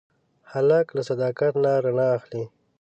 هلک له صداقت نه رڼا اخلي.